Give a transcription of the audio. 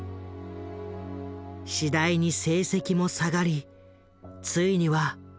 次第に成績も下がりついには落第した。